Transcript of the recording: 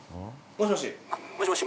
もしもし。